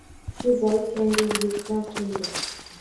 Shu bois, Yangi Oʻzbekiston qurildi.